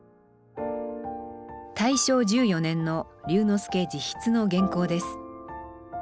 大正１４年の龍之介自筆の原稿です。